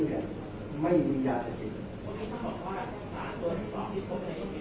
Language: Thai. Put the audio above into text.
แต่ว่าไม่มีปรากฏว่าถ้าเกิดคนให้ยาที่๓๑